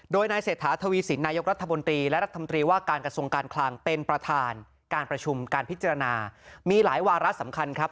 โดยนายเศรษฐาทวีสินนายกรัฐมนตรีและรัฐมนตรีว่าการกระทรวงการคลังเป็นประธานการประชุมการพิจารณามีหลายวาระสำคัญครับ